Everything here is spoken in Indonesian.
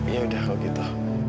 yaudah kalau gitu